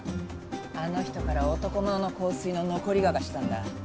あの人から男物の香水の残り香がしたんだ。